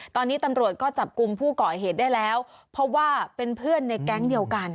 ตอนนี้ตำรวจก็จับกลุ่มผู้ก่อเหตุได้แล้วเพราะว่าเป็นเพื่อนในแก๊งเดียวกัน